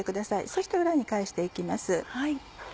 そして裏に返して行きます。